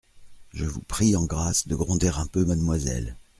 Je vous prie en grâce de gronder un peu mademoiselle.